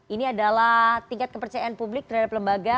ini adalah tingkat kepercayaan publik terhadap lembaga